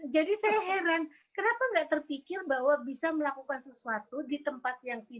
jadi saya heran kenapa enggak terpikir bahwa bisa melakukan sesuatu di tempat yang kini